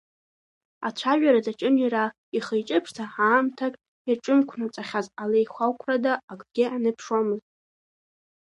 Ацәажәара даҿын иара, ихы-иҿы ԥшӡа аамҭа иаҿықәнаҵахьаз алахьеиқәрада акгьы аныԥшуамызт.